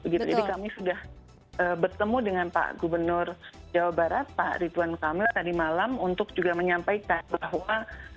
jadi kami sudah bertemu dengan pak gubernur jawa barat pak ridwan kamil tadi malam untuk juga menyampaikan bahwa